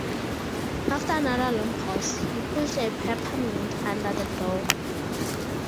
After another long pause, he pushed a peppermint under the door.